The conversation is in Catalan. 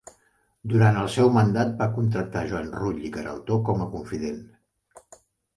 Durant el seu mandat va contractar Joan Rull i Queraltó com a confident.